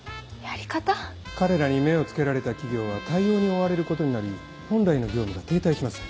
彼らに目をつけられた企業は対応に追われることになり本来の業務が停滞します。